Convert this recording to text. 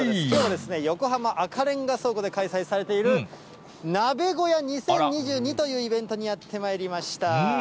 きょうは横浜赤レンガ倉庫で開催されている、鍋小屋２０２２というイベントにやってまいりました。